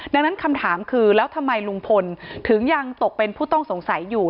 ดังนั้นคำถามคือแล้วทำไมลุงพลถึงยังตกเป็นผู้ต้องสงสัยอยู่